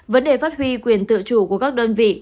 vấn đề phát huy quyền tự chủ của các đơn vị